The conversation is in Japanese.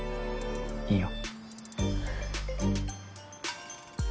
いいよ。